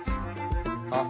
あっ。